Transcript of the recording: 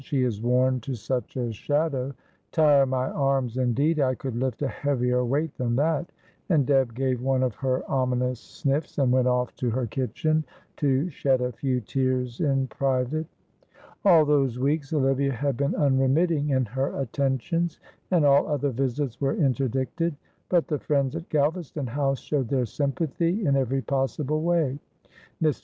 "She is worn to such a shadow. Tire my arms, indeed I could lift a heavier weight than that," and Deb gave one of her ominous sniffs, and went off to her kitchen to shed a few tears in private. All those weeks Olivia had been unremitting in her attentions, and all other visits were interdicted; but the friends at Galvaston House showed their sympathy in every possible way. Mr.